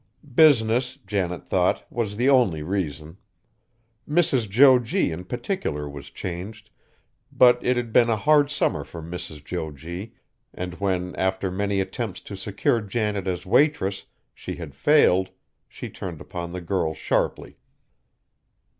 Business, Janet thought, was the only reason. Mrs. Jo G. in particular was changed, but it had been a hard summer for Mrs. Jo G., and when, after many attempts to secure Janet as waitress, she had failed, she turned upon the girl sharply.